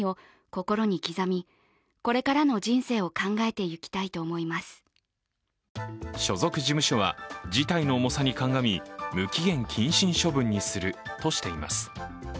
家族に対して、そして今後は所属事務所は、事態の重さに鑑み無期限謹慎処分にするとしています。